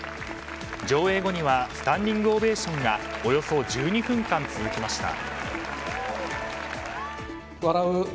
上映後にはスタンディングオベーションがおよそ１２分間、続きました。